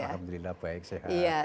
alhamdulillah baik sehat